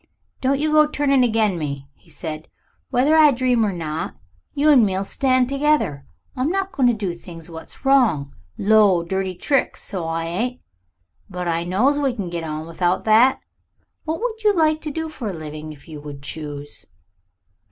"Don't you go turning agin me," he said; "whether I dream or not, you and me'll stand together. I'm not goin' to do things wot's wrong low, dirty tricks so I ain't. But I knows we can get on without that. What would you like to do for your living if you could choose?"